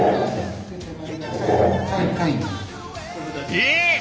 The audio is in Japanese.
えっ！